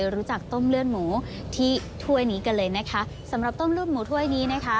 รู้จักต้มเลือดหมูที่ถ้วยนี้กันเลยนะคะสำหรับต้มลูกหมูถ้วยนี้นะคะ